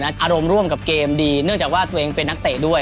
อารมณ์ร่วมกับเกมดีเนื่องจากว่าตัวเองเป็นนักเตะด้วย